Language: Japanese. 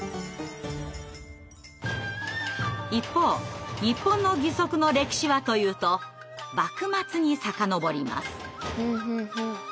一方日本の義足の歴史はというと幕末に遡ります。